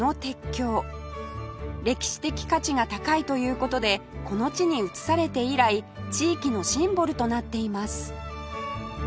歴史的価値が高いという事でこの地に移されて以来地域のシンボルとなっています